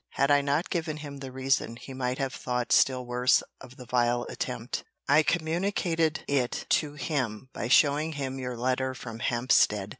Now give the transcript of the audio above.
Had I not given him the reason, he might have thought still worse of the vile attempt. I communicated it to him by showing him your letter from Hampstead.